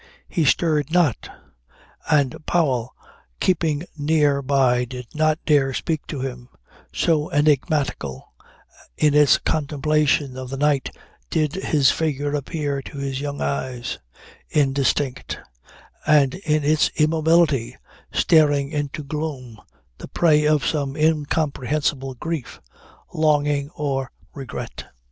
He stirred not; and Powell keeping near by did not dare speak to him, so enigmatical in its contemplation of the night did his figure appear to his young eyes: indistinct and in its immobility staring into gloom, the prey of some incomprehensible grief, longing or regret.